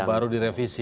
oh baru direvisi